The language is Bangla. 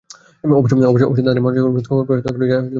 অবশ্য তাদের মনও ছিল উন্মুক্ত ও প্রশস্ত, যা সচরাচর দেখা যায় না।